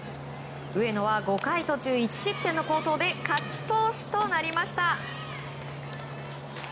上野は５回途中１失点の好投で勝ち投手となりました。